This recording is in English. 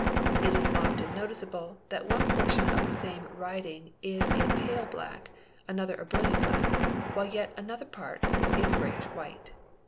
It is often notice able that one portion of the same writing is a pale black, another brilhant black, while yet another part is greyish white.